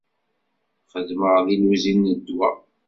Xeddmeɣ di luzin n ddwa.